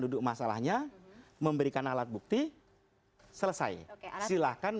ada apa yang diperlukan